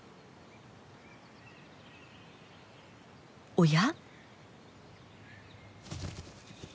おや？